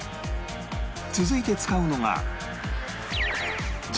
続いて使うのが